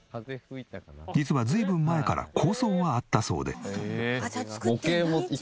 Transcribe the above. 実は随分前から構想はあったそうで。